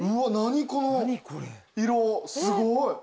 すごい。